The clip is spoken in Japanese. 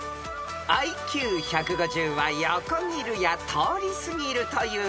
［ＩＱ１５０は「横切る」や「通り過ぎる」という意味の読み方］